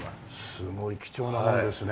すごい貴重なものですね。